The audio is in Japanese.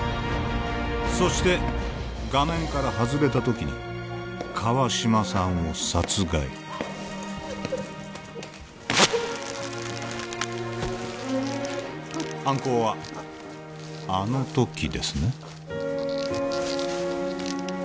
そして画面から外れた時に川島さんを殺害犯行はあの時ですね